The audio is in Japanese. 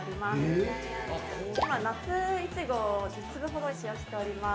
今夏いちごを１０粒ほど使用しております。